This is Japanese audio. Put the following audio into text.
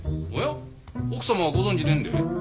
おや奥様はご存じねえんで？